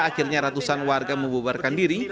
akhirnya ratusan warga membubarkan diri